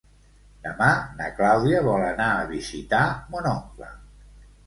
Demà na Clàudia vol anar a visitar mon oncle.